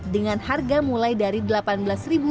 dengan harga mulai dari rp delapan belas